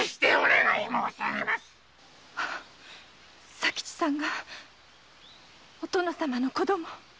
左吉さんがお殿様の子供‼